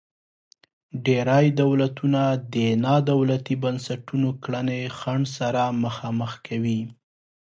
ډیری دولتونه د نا دولتي بنسټونو کړنې خنډ سره مخامخ کوي.